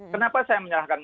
kenapa saya menyerahkan kpk